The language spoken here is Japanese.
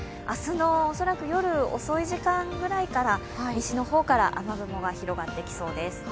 明日の恐らく夜遅い時間ぐらいから、西の方から雨雲が広がってきそうです。